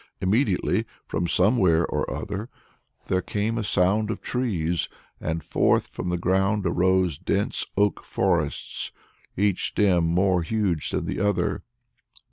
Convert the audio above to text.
Immediately from somewhere or other there came a sound of trees, and forth from the ground arose dense oak forests! each stem more huge than the other!